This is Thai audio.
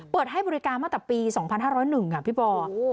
เปิดให้บริการตั้งแต่ปี๒๕๐๑พี่บอล